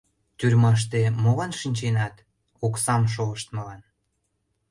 «Тюрьмаште молан шинченат?» — «Оксам шолыштмылан».